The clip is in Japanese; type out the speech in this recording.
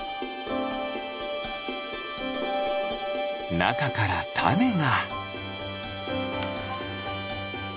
なかからたねが。